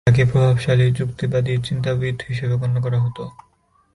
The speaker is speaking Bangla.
তাকে প্রভাবশালী যুক্তিবাদী চিন্তাবিদ হিসাবে গন্য করা হতো।